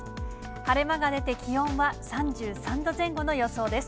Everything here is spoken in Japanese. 晴れ間が出て、気温は３３度前後の予想です。